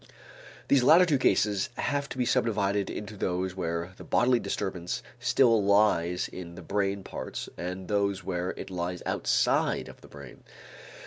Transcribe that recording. These latter two cases have to be subdivided into those where the bodily disturbance still lies in the brain parts and those where it lies outside of the brain.